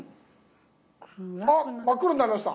あっ真っ黒になりました。